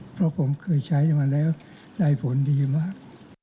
เพราะผมเคยใช้มาแล้วได้ผลดีมาก